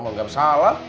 saya mah gak bersalah